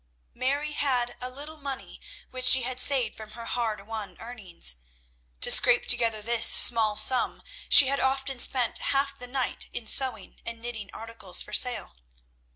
Mary had a little money which she had saved from her hard won earnings. To scrape together this small sum she had often spent half the night in sewing and knitting articles for sale.